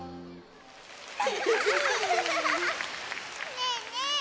ねえねえ